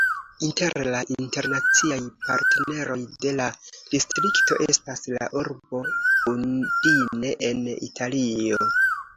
Inter la internaciaj partneroj de la distrikto estas la urbo Udine en Italio.